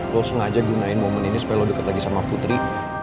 lo sengaja gunain momen ini supaya lo deket lagi sama putri